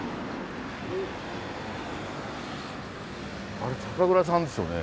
あれ酒蔵さんですよね